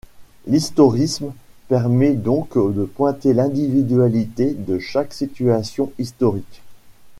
L'historisme permet donc de pointer l'individualité de chaque situation historique.